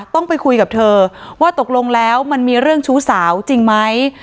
ต้องไปคุยกับเธอว่าตกลงแล้วมันมีเรื่องชู้สาวจริงไหม